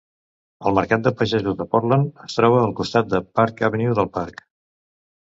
El Mercat de Pagesos de Portland es troba al costat de Park Avenue del parc.